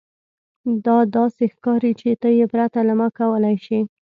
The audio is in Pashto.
دا داسې ښکاري چې ته یې پرته له ما کولی شې